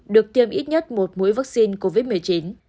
được tiêm ít nhất một mũi vaccine covid một mươi chín